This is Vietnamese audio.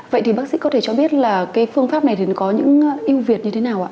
vậy thì bác sĩ có thể cho biết là cái phương pháp này thì nó có những ưu việt như thế nào ạ